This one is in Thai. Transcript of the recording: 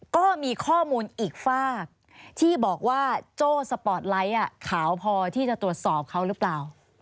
ก็มีข้อมูลอีกฝากที่บอกว่าโจ้สปอร์ตไลท์ขาวพอที่จะตรวจสอบเขาหรือเปล่า